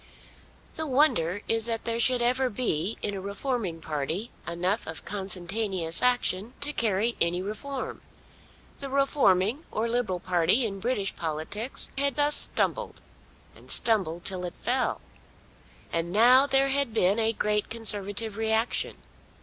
The wonder is that there should ever be in a reforming party enough of consentaneous action to carry any reform. The reforming or Liberal party in British politics had thus stumbled, and stumbled till it fell. And now there had been a great Conservative reaction!